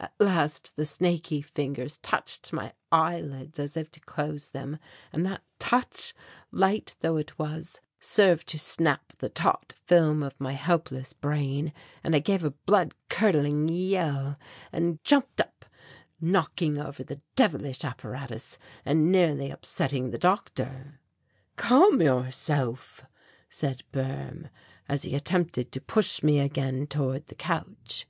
At last the snaky fingers touched my eyelids as if to close them, and that touch, light though it was, served to snap the taut film of my helpless brain and I gave a blood curdling yell and jumped up, knocking over the devilish apparatus and nearly upsetting the doctor. "Calm yourself," said Boehm, as he attempted to push me again toward the couch.